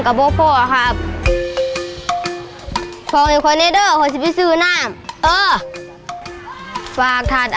ถ้ามัธย